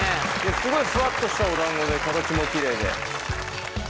すごいふわっとしたおだんごで形もきれいで。